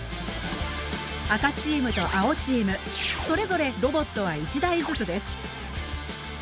赤チームと青チームそれぞれロボットは１台ずつです。